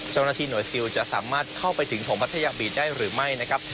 เจ้าหน้าที่หน่วยซิลจะสามารถเข้าไปถึงถมพัทยาบีตได้หรือไม่นะครับ